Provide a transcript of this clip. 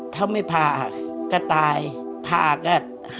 ถ้าไม่ผ่าก็ตายผ่าก็